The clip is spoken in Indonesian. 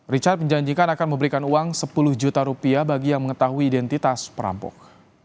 richard menjanjikan akan memberikan uang sepuluh juta rupiah bagi yang mengetahui identitas perampok